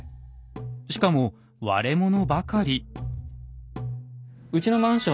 しかも割れ物ばかり。